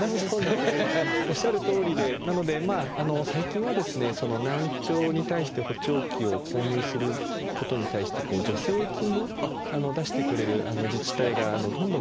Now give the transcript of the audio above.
おっしゃるとおりでなので最近はですねその難聴に対して補聴器を購入することに対して助成金を出してくれる自治体がどんどん増えているような状況です。